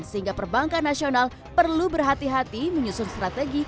sehingga perbankan nasional perlu berhati hati menyusun strategi